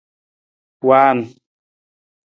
Waan.